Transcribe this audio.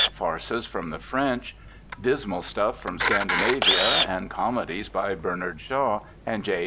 Farces from the French, dismal stuff from Scandi navia, and comedies by Bernard Shaw and J.